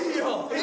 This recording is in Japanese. え？